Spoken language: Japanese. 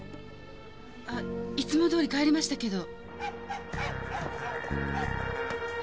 あいつもどおり帰りましたけど。